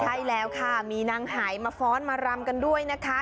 ใช่แล้วค่ะมีนางหายมาฟ้อนมารำกันด้วยนะคะ